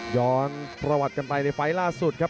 ย้อนประวัติกันไปในไฟล์ล่าสุดครับ